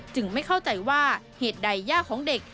ไม่เข้าใจว่าเหตุใดย่าของเด็ก